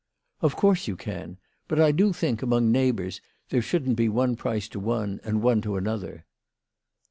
" Of course you can. But I do think, among neigh bours, there shouldn't be one price to one and one to another."